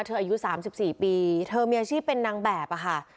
อายุ๓๔ปีเธอมีอาชีพเป็นนางแบบอะค่ะ